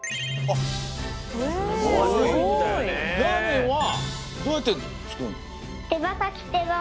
ラーメンはどうやってつくるの？